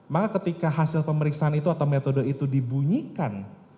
maka ketika hasil pemeriksaan itu atau metode itu dibunyikan